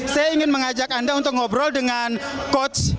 saya ingin mengajak anda untuk ngobrol dengan coach